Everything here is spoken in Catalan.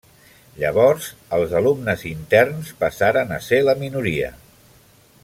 Llavors, els alumnes interns passaren a ser la minoria.